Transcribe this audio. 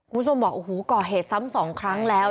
ผู้ชมบอกก่อเหตุซ้ำ๒ครั้งแล้ว